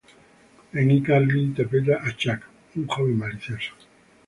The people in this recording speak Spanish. En "iCarly" interpreta a Chuck, un joven malicioso.